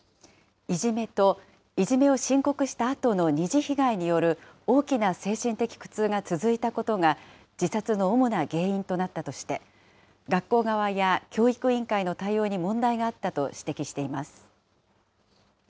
いじめと、いじめを申告したあとの二次被害による大きな精神的苦痛が続いたことが、自殺の主な原因となったとして、学校側や教育委員会の対応に問題があったと指摘しています。